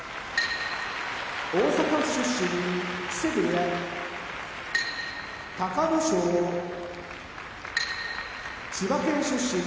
大阪府出身木瀬部屋隆の勝千葉県出身